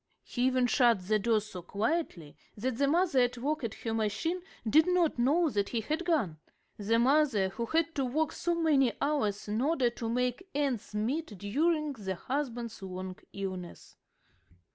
He even shut the door so quietly that the mother at work at her machine did not know that he had gone the mother who had to work so many hours in order to make ends meet during the husband's long illness.